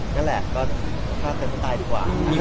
นั่นแหละก็ถ้าเคยตายดีกว่า